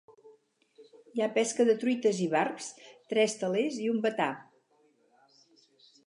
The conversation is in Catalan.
Hi ha pesca de truites i barbs, tres telers i un batà.